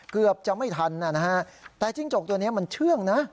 เกือบจะไม่ทันนะฮะแต่จิ้งจกตัวนี้มันเชื่องนะ